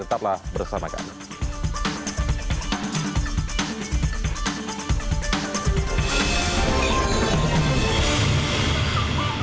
tetaplah bersama kami